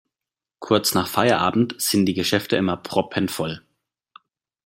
Kurz nach Feierabend sind die Geschäfte immer proppenvoll.